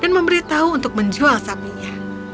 dan memberi tahu untuk menjual sapinya